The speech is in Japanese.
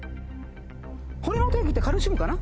骨の定義ってカルシウムかな？